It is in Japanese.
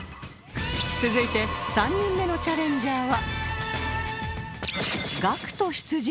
続いて３人目のチャレンジャーは